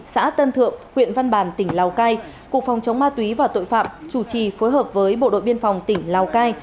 xã tân thượng huyện văn bàn tỉnh lào cai cục phòng chống ma túy và tội phạm chủ trì phối hợp với bộ đội biên phòng tỉnh lào cai